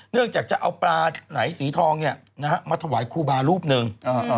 จากจะเอาปลาไหลสีทองมาถวายครูบารูปหนึ่ง